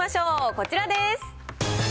こちらです。